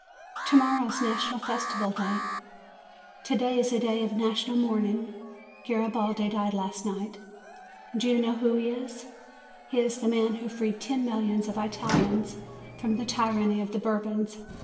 To morrow is the National Festival Day. TO DAY is a day of national mourning. Garibaldi died last night. Do you know who he is? He is the man who freed ten millions of Italians from the tyranny of the Bourbons.